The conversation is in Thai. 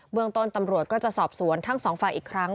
เมืองต้นตำรวจก็จะสอบสวนทั้งสองฝ่ายอีกครั้ง